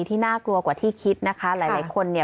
น่ากลัวกว่าที่คิดนะคะหลายหลายคนเนี่ย